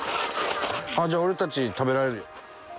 じゃあ俺たち食べられるよ。